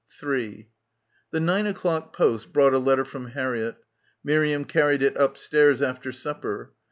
3 The nine o'clock post brought a letter from Harriett. Miriam carried it upstairs after sup per.